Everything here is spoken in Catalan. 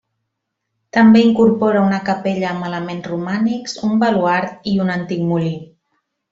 També incorpora una capella amb elements romànics, un baluard i un antic molí.